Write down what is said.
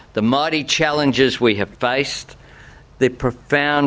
kemraman kejadian yang terikat atau terjung junk